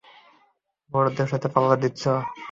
বড়দের সাথে পাল্লা দিচ্ছ।